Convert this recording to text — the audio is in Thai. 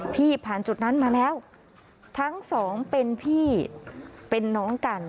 ผ่านจุดนั้นมาแล้วทั้งสองเป็นพี่เป็นน้องกัน